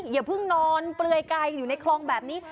อย่าเพิ่งนอนเปลือยกายอยู่ในคลองแบบนี้